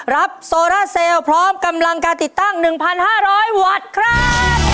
โซราเซลล์พร้อมกำลังการติดตั้ง๑๕๐๐วัตต์ครับ